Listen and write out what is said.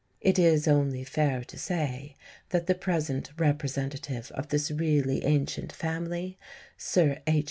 (It is only fair to say that the present representative of this really ancient family, Sir H.